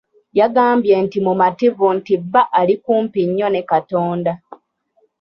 Yagambye nti mumativu nti bba ali kumpi nnyo ne Katonda.